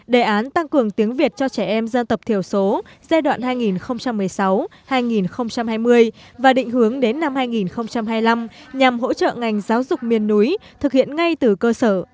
đề án tăng cường tiếng việt cho trẻ em dân tộc thiểu số giai đoạn hai nghìn một mươi sáu hai nghìn hai mươi và định hướng đến năm hai nghìn hai mươi năm nhằm hỗ trợ ngành giáo dục miền núi thực hiện ngay từ cơ sở